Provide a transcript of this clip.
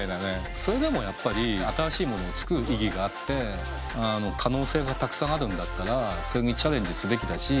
それでもやっぱり新しいものを作る意義があって可能性がたくさんあるんだったらそれにチャレンジすべきだし。